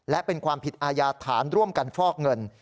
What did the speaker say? และเป็นความผิดอาญาฐานร่วมกันฟอกเงิน